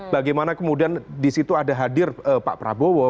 bagaimana kemudian di situ ada hadir pak prabowo